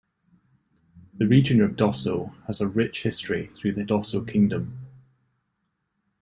The region of Dosso has a rich history through the Dosso Kingdom.